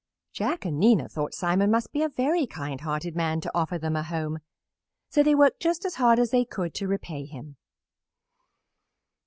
Jack and Nina thought Simon must be a very kind hearted man to offer them a home, so they worked just as hard as they could to repay him.